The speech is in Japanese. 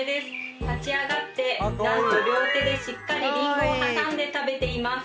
立ち上がって何と両手でしっかりリンゴを挟んで食べています